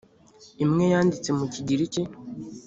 imwe yanditse mu kigiriki